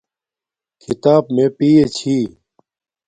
کھیتاپ مے پیے چھی